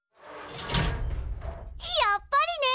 やっぱりね！